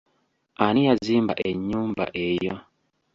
Ani yazimba ennyumba eyo?